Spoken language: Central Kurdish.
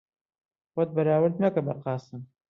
خۆت بەراورد مەکە بە قاسم.